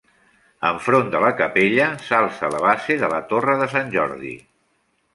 Enfront de la capella s'alça la base de la torre de Sant Jordi.